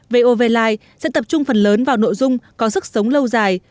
vovlive sẽ tập trung phần lớn vào nội dung có sức sống lâu dài